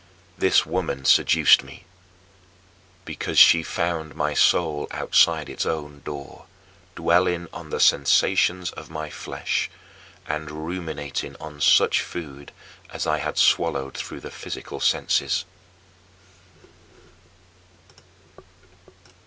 " This woman seduced me, because she found my soul outside its own door, dwelling on the sensations of my flesh and ruminating on such food as I had swallowed through these physical senses.